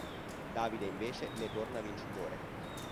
Davide invece ne torna vincitore.